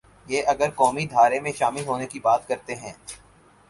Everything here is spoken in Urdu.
یہ اگر قومی دھارے میں شامل ہونے کی بات کرتے ہیں۔